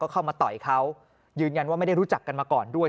เข้ามาต่อยเขายืนยันว่าไม่ได้รู้จักกันมาก่อนด้วย